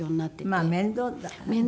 まあ面倒だからね。